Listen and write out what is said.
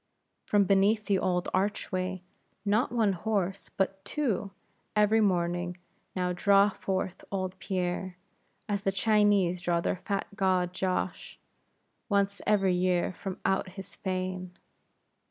From beneath the old archway, not one horse, but two, every morning now draw forth old Pierre, as the Chinese draw their fat god Josh, once every year from out his fane.